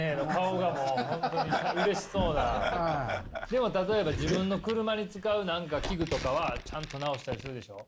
でも例えば自分の車に使う何か器具とかはちゃんと直したりするでしょ？